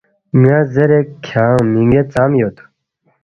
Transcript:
”ن٘یا زیرے کِھدانگ مِنگے ژام یود؟“